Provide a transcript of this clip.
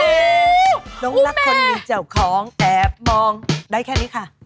น้องรักคนมีเจ้าของแอบมองได้แค่นี้ค่ะ